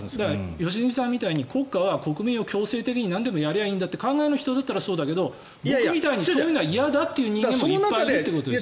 良純さんみたいに国家は国民のためになんでもやればいいんだって考えの人ならそうだけど僕みたいなそういうのが嫌だって人間もいっぱいいるってことですよ。